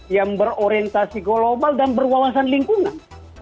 yang berorientasi global dan berwawasan lingkungan